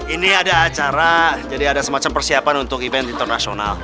ini ada acara jadi ada semacam persiapan untuk event internasional